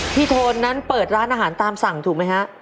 โทนนั้นเปิดร้านอาหารตามสั่งถูกไหมฮะ